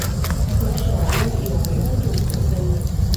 何首乌有臃肿的根